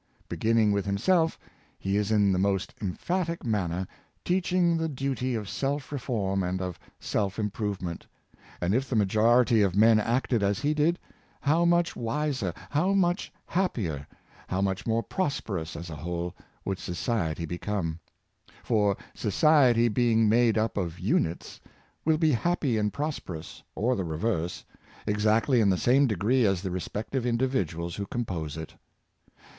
Beginning with himself, he is in the most emphatic manner teaching the duty of self reform and of self im provement; and if the majority of men acted as he did, how much wiser, how much happier, how much more prosperous, as a whole, would society become! For, society being made up of units, will be happy and pros perous, or the reverse, exactly in the same degree as the respective individuals who compose it.